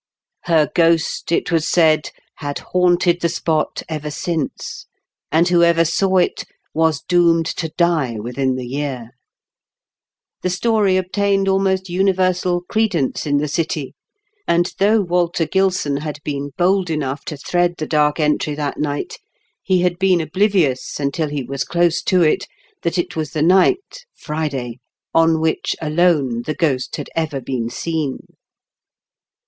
Her ghost, it was said, had TKE BOOMED OF THE DARK ENTRY. IQl haunted the spot ever since, and whoever saw it was doomed to die within the year. The story obtained almost universal credence in the city, and though Walter Gilson had been bold enough to thread the Dark Entry that night, he had been oblivious until he was close to it that it was the night (Friday) on which alone the ghost had ever been seen.